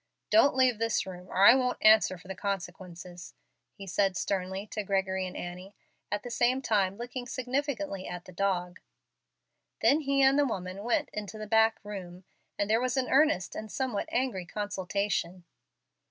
"Don't leave this room or I won't answer for the consequences," he said, sternly to Gregory and Annie, at the same time looking significantly at the dog. Then he and the woman went into the back room, and there was an earnest and somewhat angry consultation.